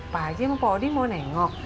pak aji sama pak odi mau nengok